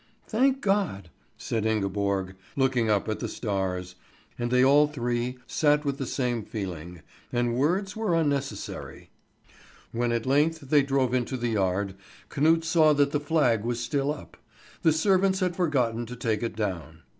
"Thank God!" said Ingeborg, looking up at the stars; and they all three sat with the same feeling, and words were unnecessary. When at length they drove into the yard, Knut saw that the flag was still up; the servants had forgotten to take it down.